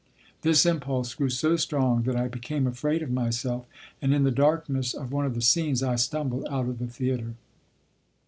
This impulse grew so strong that I became afraid of myself, and in the darkness of one of the scenes I stumbled out of the theatre.